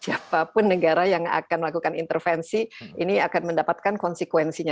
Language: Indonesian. jadi siapapun negara yang akan melakukan intervensi ini akan mendapatkan konsekuensinya